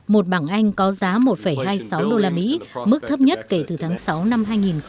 một bảng anh có giá một hai mươi sáu đô la mỹ mức thấp nhất kể từ tháng sáu năm hai nghìn một mươi bảy